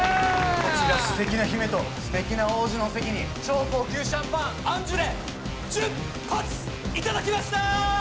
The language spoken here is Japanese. こちら素敵な姫と素敵な王子のお席に超高級シャンパンアンジュレ１０発いただきました！